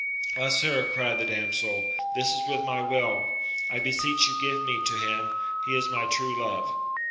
Ah, sir, cried the damsel, this is with my will ! I beseech you give me to him : he is my true love.